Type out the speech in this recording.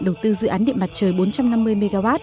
đầu tư dự án điện mặt trời bốn trăm năm mươi mw